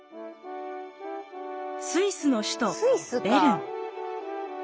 スイスの首都ベルン。